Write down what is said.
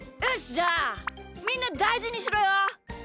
じゃあみんなだいじにしろよ。